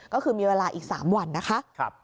ก็คือมีเวลาอีก๓วันนะคะ